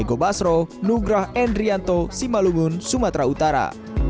diego basro nugrah endrianto simalumun sumatera utara